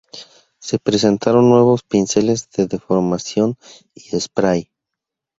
Se presentaron nuevos pinceles de deformación y spray.